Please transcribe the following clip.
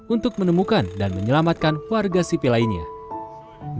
untuk menemukan dan menyelamatkan seorang wanita berusia dua puluh enam tahun